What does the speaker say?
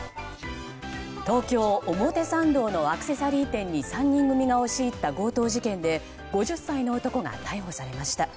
東京・表参道のアクセサリー店に３人組が押し入った強盗事件で５０歳の男が逮捕されました。